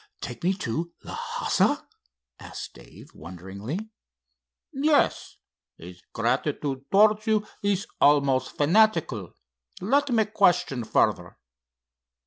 "Take me into Lhassa?" asked Dave, wonderingly. "Yes. His gratitude towards you is almost fanatical. Let me question further."